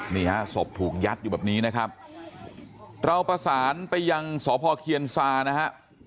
นี่ฮะศพถูกยัดอยู่แบบนี้นะครับเราประสานไปยังสพเคียนซานะฮะ